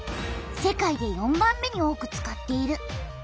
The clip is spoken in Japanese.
世界で４番目に多く使っている。